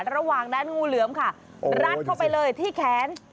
ระหว่างนั้นงูเหลือมค่ะรัดเข้าไปเลยที่แขน